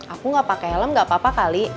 aku gak pakai helm gak apa apa kali